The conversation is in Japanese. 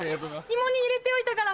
芋煮入れておいたから。